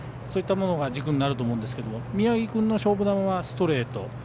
そういったものが軸になると思うんですけど宮城君の勝負球はストレート。